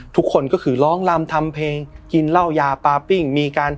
ทุกคนก็คือร้องลำทำเพลงกินเหล้ายาปาปิ้งมีการ